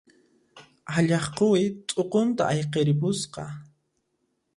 Allaq quwi t'uqunta ayqiripusqa.